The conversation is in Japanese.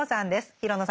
廣野さん